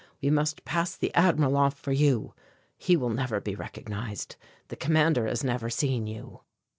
We must pass the Admiral off for you. He will never be recognized. The Commander has never seen you."